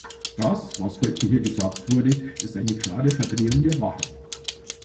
Das, was heute hier gesagt wurde, ist eine klare Verdrehung der Wahrheit.